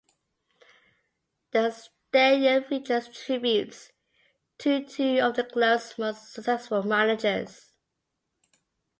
The stadium features tributes to two of the club's most successful managers.